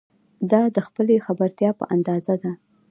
دا د خپلې خبرتیا په اندازه ده.